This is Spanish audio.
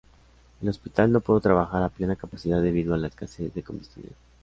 El hospital no pudo trabajar a plena capacidad debido a la escasez de combustible.